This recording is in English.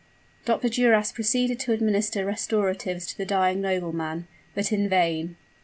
Dr. Duras proceeded to administer restoratives to the dying nobleman but in vain!